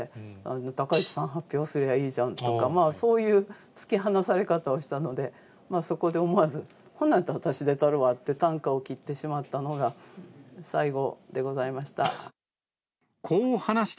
高市さん、発表すりゃいいんじゃんって、そういう突き放され方をしたので、そこで思わず、ほんなんやったら私出たるわってたんかを切ってしまったのが、最後でございました。